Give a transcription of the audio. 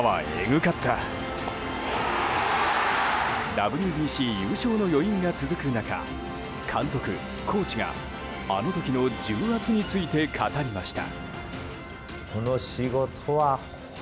ＷＢＣ優勝の余韻が続く中監督、コーチがあの時の重圧について語りました。